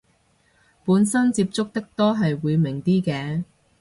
本身接觸得多係會明啲嘅